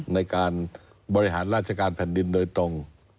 ในการบริหารราชการแผ่นดินโดยตรง